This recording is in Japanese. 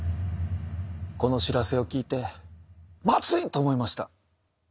この知らせを聞いて「まずい！」と思いました。